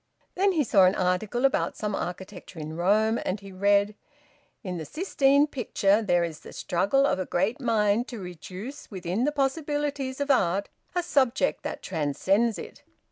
Then he saw an article about some architecture in Rome, and he read: "In the Sistine picture there is the struggle of a great mind to reduce within the possibilities of art a subject that transcends it.